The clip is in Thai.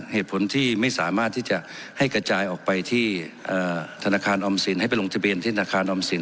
เหตุผลที่ไม่สามารถที่จะให้กระจายออกไปที่ธนาคารออมสินให้ไปลงทะเบียนที่ธนาคารออมสิน